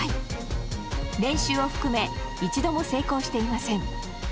練習を含め一度も成功していません。